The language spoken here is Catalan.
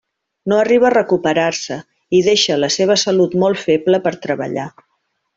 No arriba a recuperar-se i deixa la seva salut molt feble per treballar.